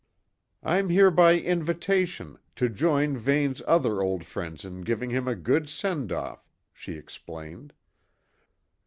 "I'm here by invitation, to join Vane's other old friends in giving him a good send off," she explained.